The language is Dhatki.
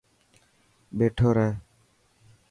ٻيٺو رهه.